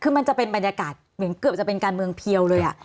คือมันจะเป็นบรรยากาศเหมือนเกือบจะเป็นการเมืองเพียวเลย